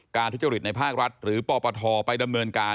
การทุจฤทธิ์ในภาครัดส์หรือปตปธไปดำเนินการ